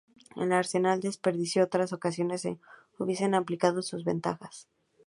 El Arsenal desperdició otras ocasiones que hubiesen ampliado su ventaja.